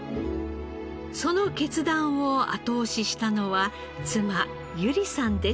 その決断を後押ししたのは妻由里さんでした。